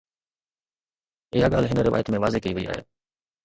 اها ڳالهه هن روايت ۾ واضح ڪئي وئي آهي